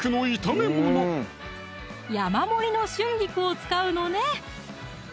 山盛りの春菊を使うのね